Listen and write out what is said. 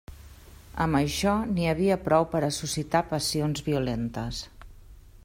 Amb això n'hi havia prou per a suscitar passions violentes.